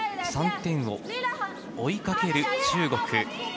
３点を追いかける中国。